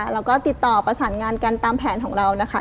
แล้วก็ติดต่อประสานงานกันตามแผนของเรานะคะ